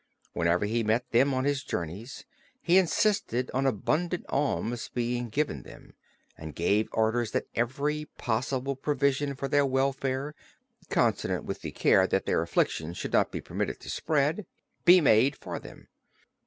Whenever he met them on his journeys he insisted on abundant alms being given them, and gave orders that every possible provision for their welfare, consonant with the care that their affection should not be permitted to spread, be made for them.